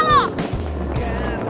lo tuh lamu alam